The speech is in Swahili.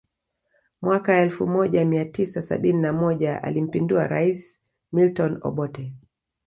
Mwaka elfu moja Mia tisa sabini na moja alimpindua rais Milton Obote